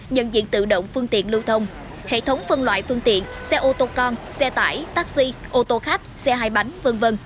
nhận diện tự động phương tiện lưu thông hệ thống phân loại phương tiện xe ô tô con xe tải taxi ô tô khách xe hài bánh v v